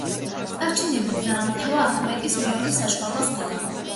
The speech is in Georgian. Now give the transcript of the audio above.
წარჩინებით დაამთავრა ახმეტის მეორე საშუალო სკოლა.